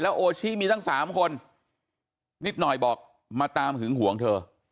ทีละว่าโอชิมีซัง๓คนนิดหน่อยบอกมาตามถึงห่วงเธอ